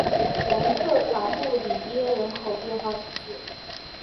蒙特卡布里耶人口变化图示